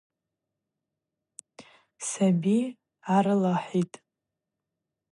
Саби гӏарылахӏитӏ.